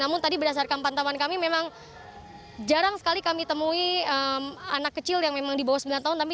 namun tadi berdasarkan pantauan kami memang jarang sekali kami temui anak kecil yang memang di bawah sembilan tahun